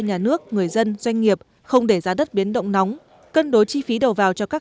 nhà nước người dân doanh nghiệp không để giá đất biến động nóng cân đối chi phí đầu vào cho các